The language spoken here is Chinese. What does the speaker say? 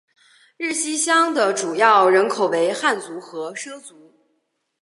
日溪乡的主要人口为汉族和畲族。